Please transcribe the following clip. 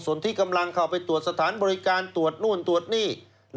ส่วนที่กำลังเข้าไปตรวจสถานบริการตรวจนู่นตรวจนี่